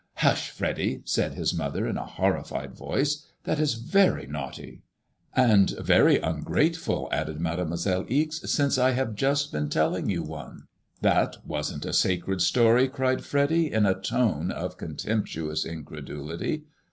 "Hush, Freddy," said his mother, in a horrified voice, " that is very naughty." " And very ungrateful," added Mademoiselle Ixe, " since I have just been telling you one." 98 If ADEMOISELLX IXBi "That wasn't a sacred story/* cried Freddy, in a tone of con temptuous incredulity.